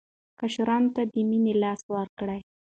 کشرانو ته د مینې لاس ورکړئ.